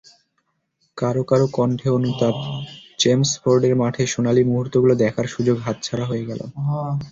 কারও কারও কণ্ঠে অনুতাপ—চেমসফোর্ডের মাঠে সোনালি মুহূর্তগুলো দেখার সুযোগ হাতছাড়া হয়ে গেল।